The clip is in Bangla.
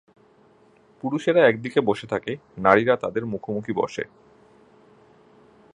পুরুষেরা একদিকে বসে থাকে, নারীরা তাদের মুখোমুখি বসে।